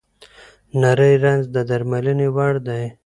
نري رنځ د درملنې وړ دی.